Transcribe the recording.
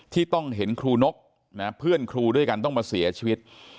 ที่ต้องเห็นครูนกเพื่อนครูด้วยกันต้องมาเสียชีวิต